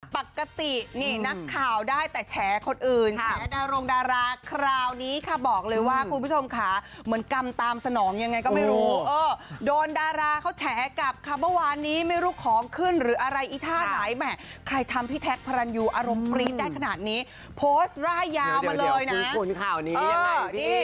ปกตินี่นักข่าวได้แต่แฉคนอื่นแฉดารงดาราคราวนี้ค่ะบอกเลยว่าคุณผู้ชมค่ะเหมือนกรรมตามสนองยังไงก็ไม่รู้เออโดนดาราเขาแฉกลับค่ะเมื่อวานนี้ไม่รู้ของขึ้นหรืออะไรอีท่าไหนแหมใครทำพี่แท็กพระรันยูอารมณ์ปรี๊ดได้ขนาดนี้โพสต์ร่ายยาวมาเลยนะ